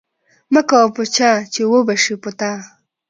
ـ مه کوه په چا ،چې وبشي په تا.